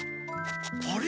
あれ？